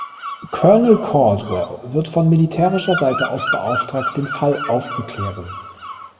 Colonel Caldwell wird von militärischer Seite aus beauftragt, den Fall aufzuklären.